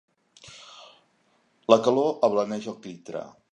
La calor ablaneix el quitrà.